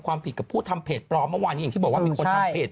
เวลาไปวัดเหมือนเจ้าของวัดทุกวัดเลย